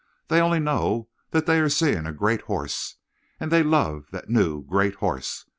They only know that they are seeing a great horse. And they love that new, great horse.